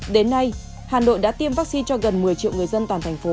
đến nay hà nội đã tiêm vaccine cho gần một mươi triệu người dân toàn thành phố